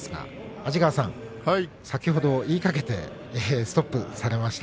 安治川さん、先ほど言いかけてストップされました